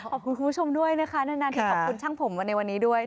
ขอบคุณคุณผู้ชมด้วยนะคะนานที่ขอบคุณช่างผมมาในวันนี้ด้วย